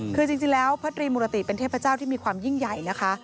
คือจริงแล้วพระตรีมุรติเป็นเทพเจ้าที่มีความยิ่งใหญ่นะคะ